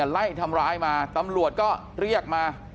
ไล่ทำร้ายมาตำรวจก็เรียกมา